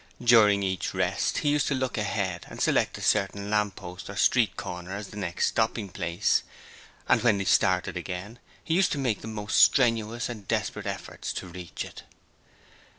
During each rest he used to look ahead and select a certain lamp post or street corner as the next stopping place, and when he start again he used to make the most strenuous and desperate efforts to reach it.